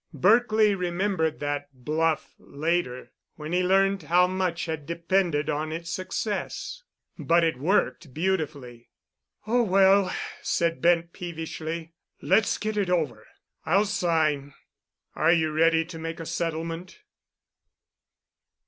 Berkely remembered that "bluff" later, when he learned how much had depended on its success. But it worked beautifully. "Oh, well," said Bent peevishly, "let's get it over. I'll sign. Are you ready to make a settlement?"